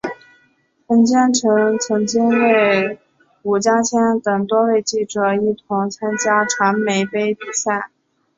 冯坚成曾经与伍家谦等多位记者一同参加传媒杯比赛。